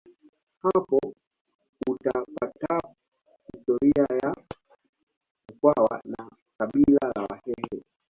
hapo utapatab historia ya mkwawa na kabila la wahehe